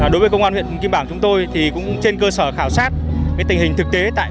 đối với công an huyện kim bảng chúng tôi thì cũng trên cơ sở khảo sát tình hình thực tế tại